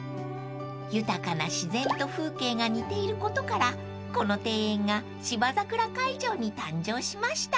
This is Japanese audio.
［豊かな自然と風景が似ていることからこの庭園が芝桜会場に誕生しました］